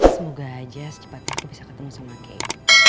semoga aja secepatnya aku bisa ketemu sama kain